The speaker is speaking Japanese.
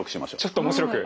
ちょっと面白く？